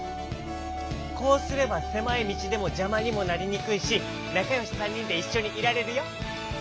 こうすればせまいみちでもじゃまにもなりにくいしなかよし３にんでいっしょにいられるよ！